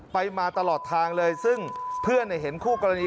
ไปมาตลอดทางเลยซึ่งเพื่อนเห็นคู่กรณี